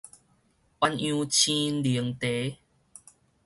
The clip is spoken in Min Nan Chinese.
鴛鴦鮮奶茶